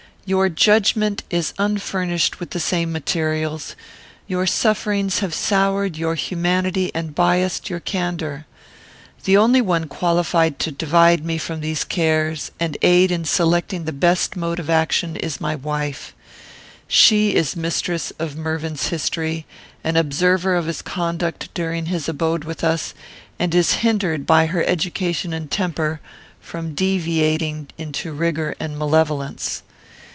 Your judgment is unfurnished with the same materials; your sufferings have soured your humanity and biassed your candour. The only one qualified to divide with me these cares, and aid in selecting the best mode of action, is my wife. She is mistress of Mervyn's history; an observer of his conduct during his abode with us; and is hindered, by her education and temper, from deviating into rigour and malevolence.